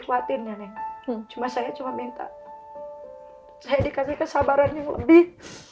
khawatirnya nih cuma saya cuma minta saya dikasih kesabaran yang lebih